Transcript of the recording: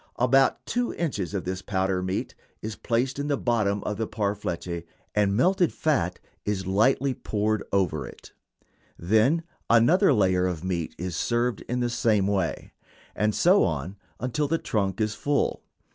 About two inches of this powdered meat is placed in the bottom of a parfleche and melted fat is lightly poured over it. Then another layer of meat is served in the same way, and so on until the trunk is full.